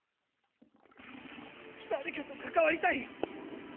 誰かと関わりたい。